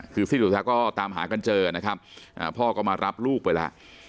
คือสิ้นสุดแล้วก็ตามหากันเจอนะครับพ่อก็มารับลูกไปแล้ว